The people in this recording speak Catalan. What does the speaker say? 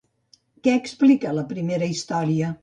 Què explica la primera història?